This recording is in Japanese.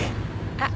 あっ！